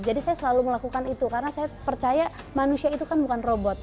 jadi saya selalu melakukan itu karena saya percaya manusia itu kan bukan robot